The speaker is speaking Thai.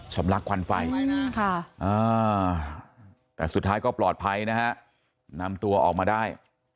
ลักควันไฟแต่สุดท้ายก็ปลอดภัยนะฮะนำตัวออกมาได้